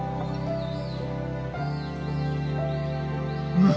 うん！